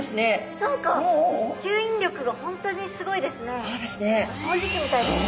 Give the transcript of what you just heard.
何か吸引力が本当にすごいですね。